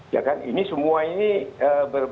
ya kan ini semua ini berbeda